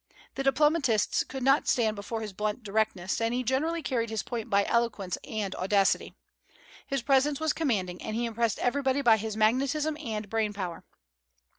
The diplomatists could not stand before his blunt directness, and he generally carried his point by eloquence and audacity. His presence was commanding, and he impressed everybody by his magnetism and brainpower.